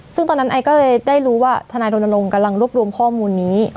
ซึ่งตอนนั้นไอก็เลยได้รู้ว่าทนายรณรงค์กำลังรวบรวมข้อมูลนี้